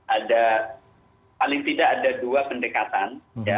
ada paling tidak ada dua pendekatan